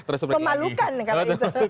kemalukan kalau itu